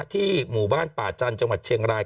ที่หมู่บ้านป่าจันทร์จังหวัดเชียงราย